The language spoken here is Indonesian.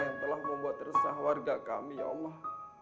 yang telah membuat resah warga kami ya allah